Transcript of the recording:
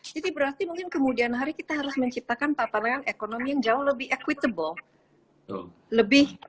jadi berarti mungkin kemudian hari kita harus menciptakan pandangan ekonomi yang jauh lebih equitable